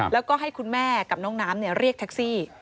แล้วก็ให้คุณแม่กับน้องน้ำเรียกแท็กซี่